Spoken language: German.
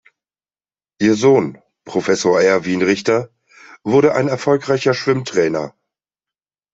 Ihr Sohn, Professor Erwin Richter, wurde ein erfolgreicher Schwimmtrainer.